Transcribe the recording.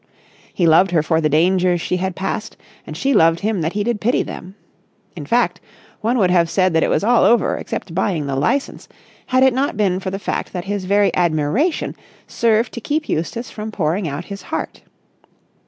He loved her for the dangers she had passed, and she loved him that he did pity them. In fact, one would have said that it was all over except buying the licence, had it not been for the fact that his very admiration served to keep Eustace from pouring out his heart.